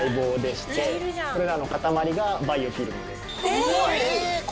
えっ⁉